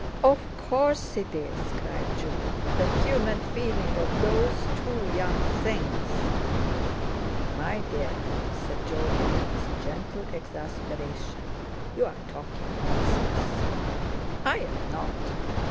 "Of course it is," cried June, "the human feeling of those two young things." "My dear," said Jolyon with gentle exasperation; "you're talking nonsense." "I'm not.